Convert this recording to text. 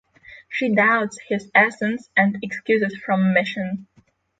She doubts his absence and excuses from mission.